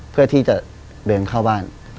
เพื่อที่จะเดินเข้าบ้าน